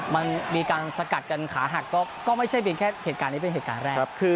มันมีการสกัดกันขาหักก็ไม่ใช่เพียงแค่เหตุการณ์นี้เป็นเหตุการณ์แรก